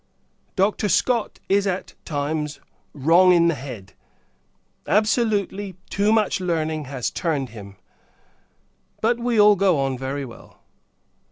Dr. Scott is, at times, wrong in the head; absolutely, too much learning has turned him. But we all go on very well.